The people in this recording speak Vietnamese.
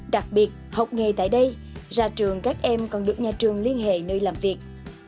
đặc biệt học nghề tại đây ra trường các em còn được nhà trường liên hệ nơi làm việc